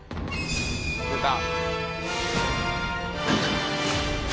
出た！